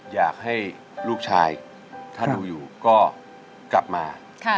อยากให้ลูกชายถ้าดูอยู่ก็กลับมา